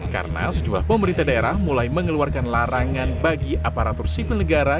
karena sejumlah pemerintah daerah mulai mengeluarkan larangan bagi aparatur sipil negara